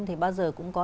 thì bao giờ cũng có